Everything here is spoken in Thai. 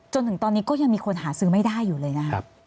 จนถึงตอนนี้ก็ยังมีคนหาซื้อไม่ได้อยู่เลยนะครับ